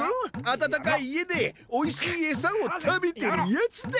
温かい家でおいしい餌を食べてるやつだ。